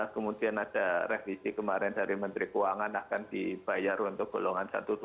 kemudian ada revisi kemarin dari menteri keuangan akan dibayar untuk golongan satu dua ribu